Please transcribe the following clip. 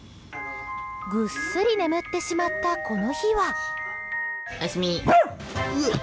ぐっすり眠ってしまったこの日は。